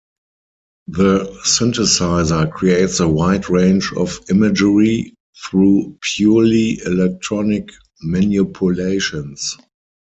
The synthesizer creates a wide range of imagery through purely electronic manipulations.